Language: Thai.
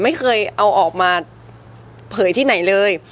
ไม่เคยเอาออกมาเหล่าใหม่ไปข้างไหลเลย